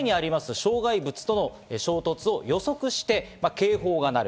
障害物との衝突を予測して警報がなる。